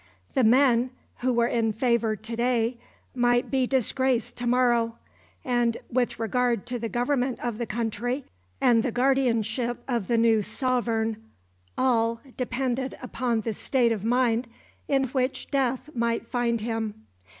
The men who were in favour to day might be disgraced to morrow, and with regard to the government of the country and the guardianship of the new sovereign all depended upon the state of mind in which death might find him.